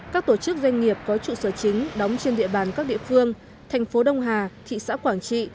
các tổ chức doanh nghiệp có trụ sở chính đóng trên địa bàn các địa phương thành phố đông hà thị xã quảng trị